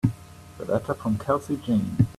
The letter from Kelsey Jane.